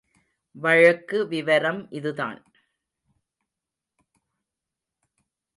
வழக்கு விவரம் இதுதான்.